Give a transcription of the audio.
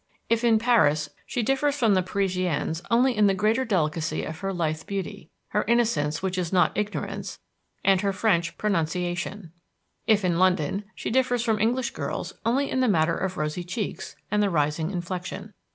If in Paris, she differs from the Parisiennes only in the greater delicacy of her lithe beauty, her innocence which is not ignorance, and her French pronunciation; if in London, she differs from English girls only in the matter of rosy cheeks and the rising inflection.